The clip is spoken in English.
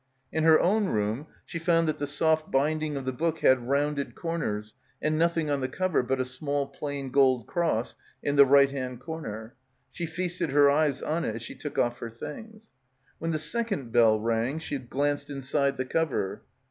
In her own room she found that the soft bind ing of the book had rounded corners and nothing on the cover but a small plain gold cross in the right hand corner. She feasted her eyes on it as she took off her things. When the second bell rang she glanced inside the cover.